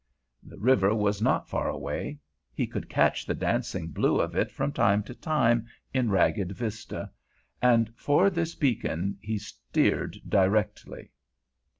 The river was not far away. He could catch the dancing blue of it from time to time in ragged vista, and for this beacon he steered directly.